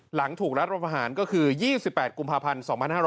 หลังถูกรัฐประหารก็คือ๒๘กุมภาพันธ์๒๕๖๐